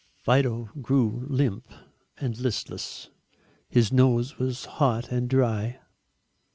Fido grew limp and listless. His nose was hot and dry.